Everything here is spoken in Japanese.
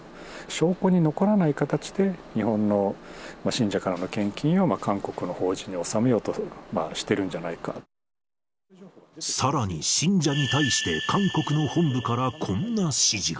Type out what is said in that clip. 証拠に残らない形で、日本の信者からの献金を韓国の法人に納めようとしてるんじゃないさらに信者に対して、韓国の本部からこんな指示が。